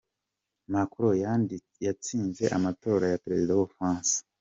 Macron yatsinze amatora ya Perezida w’ u Bufaransa .